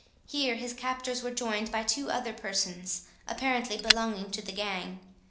Here his captors were joined by two other persons, apparently belonging to the gang.